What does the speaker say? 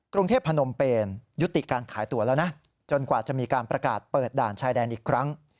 กรุงเทพพนมเปนยุติการขายตัวแล้วนะจนกว่าจะมีการประกาศเปิดด่านชายแดนอีกครั้ง